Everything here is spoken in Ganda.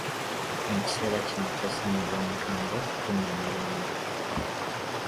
Mu kiseera kino ekya ssennyiga omukambwe kuuma emirembe.